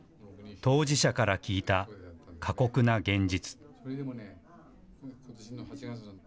当事者から聞いた過酷な現実。